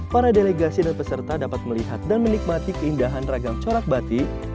para delegasi dan peserta dapat melihat dan menikmati keindahan ragam corak batik